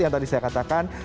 yang tadi saya katakan